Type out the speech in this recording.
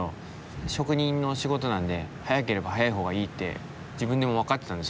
職人の仕事なんで早ければ早い方がいいって自分でも分かってたんで。